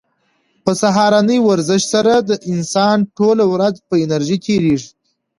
په سهارني ورزش سره د انسان ټوله ورځ په انرژۍ تېریږي.